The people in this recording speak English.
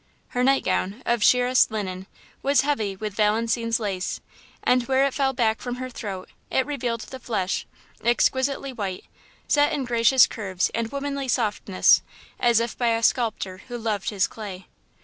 Her night gown, of sheerest linen, was heavy with Valenciennes lace, and where it fell back from her throat, it revealed the flesh, exquisitely white, set in gracious curves and womanly softness, as if by a sculptor who loved his clay.